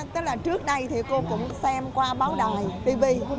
tức là trước đây cô cũng xem qua báo đài tivi